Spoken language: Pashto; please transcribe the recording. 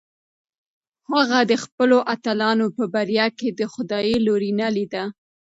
هغه د خپلو اتلانو په بریا کې د خدای لورینه لیده.